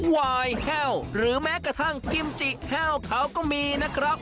วายแห้วหรือแม้กระทั่งกิมจิแห้วเขาก็มีนะครับ